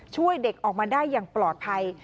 ช่วยเด็กออกมาได้อย่างปลอดภัย